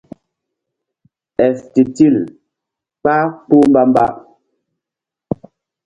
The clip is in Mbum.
Éstitil kpah kpuh mbamba.